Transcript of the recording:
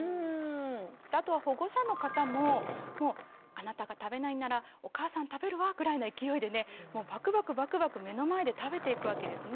あとは保護者の方もあなたが食べないならお母さん食べるわぐらいの勢いでねもうバクバクバクバク目の前で食べていくわけですね。